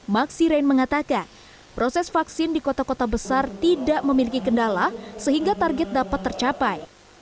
maksi rain mengatakan proses vaksin di kota kota besar tidak memiliki kendala sehingga target dapat tercapai